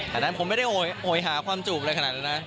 อันนั้นผมไม่ได้โหยหาความจูบอะไรขนาดนั้นนะ